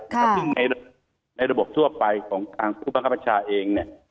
ครับซึ่งในระบบทั่วไปของทางภูมิภาคประชาเองเนี่ย